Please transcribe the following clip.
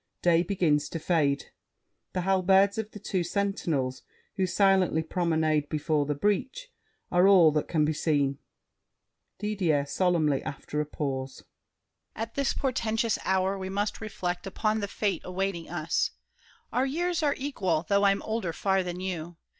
Day begins to fade. The halberds of the two sentinels, who silently promenade before the breach, are all that can be seen. DIDIER (solemnly, after a pause). At this portentous hour we must reflect Upon the fate awaiting us. Our years Are equal, though I'm older far than you.